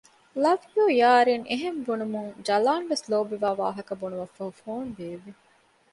ލަވް ޔޫ ޔާރިން އެހެން ބުނުމުން ޖަލާންވެސް ލޯބިވާ ވާހަކަ ބުނުމަށްފަހު ފޯނު ބޭއްވި